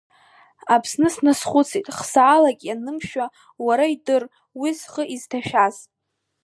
Аԥсны сназхәыцит хсаалак ианымшәа, уара идыр ус схы изҭашәаз.